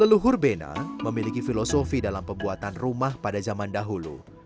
leluhur bena memiliki filosofi dalam pembuatan rumah pada zaman dahulu